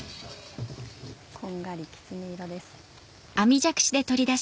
こんがりきつね色です。